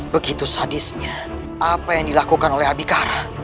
begitu sadisnya apa yang dilakukan oleh abikara